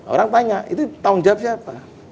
orang tanya itu tanggung jawab siapa